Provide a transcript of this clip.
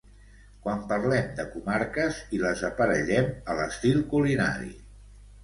Quan parlem de comarques i les aparellem a l'estil culinari